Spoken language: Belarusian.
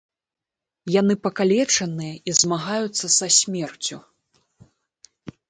Яны пакалечаныя і змагаюцца са смерцю.